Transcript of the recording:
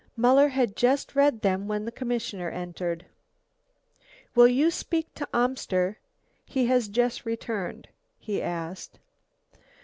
Muller had just read them when the commissioner entered. "Will you speak to Amster; he has just returned?" he asked.